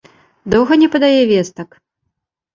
Доўга не падае вестак?